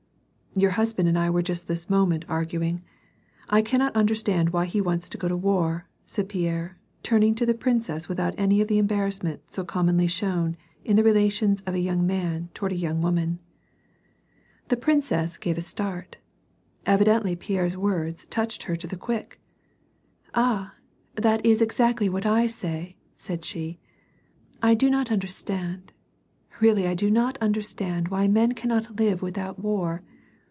" Your husband and I were just this moment arguing. I cannot understand why he wants to go to war," said Pierre, turning to the princess without any of the embarrassment so commonly shown in the relations of a young mau toward a young woman. 28 WAR AND PEACE. The princess gave a start. Evidently Pierre's words touched her to the quick. " Ah, that is exactly what I say I " said she. " I do not understand, really I do not understand why men cannot live without war.